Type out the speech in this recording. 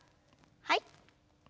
はい。